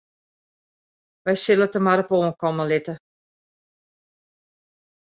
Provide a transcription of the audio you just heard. Wy sille it der mar op oankomme litte.